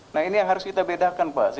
nah ini yang harus kita bedakan pak